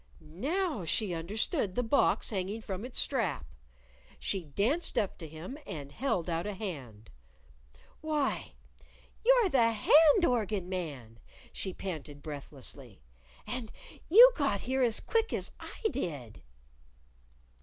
Now she understood the box hanging from its strap. She danced up to him, and held out a hand. "Why, you're the hand organ man!" she panted breathlessly. "And you got here as quick as I did!"